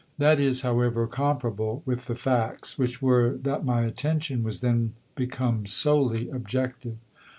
That is, however, comparable with the facts, which were that my attention was then become solely objective.